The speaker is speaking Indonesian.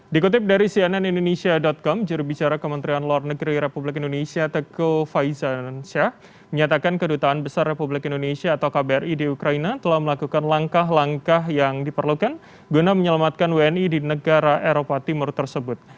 dikutip dari cnn indonesia com jurubicara kementerian luar negeri republik indonesia teko faiza menyatakan kedutaan besar republik indonesia atau kbri di ukraina telah melakukan langkah langkah yang diperlukan guna menyelamatkan wni di negara eropa timur tersebut